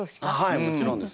はいもちろんです。